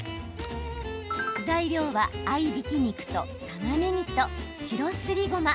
材料は、合いびき肉とたまねぎと白すりごま。